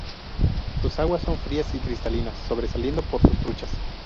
Sus aguas son frías y cristalinas, sobresaliendo por sus truchas.